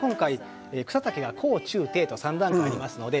草丈が高中低と３段階ありますので